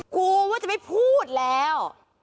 กูว่าจะไม่พูดแล้ว